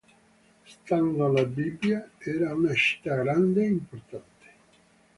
Stando alla Bibbia era una città grande e importante.